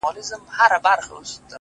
• پر قدم د پخوانیو اوسنی پکښی پیدا کړي ,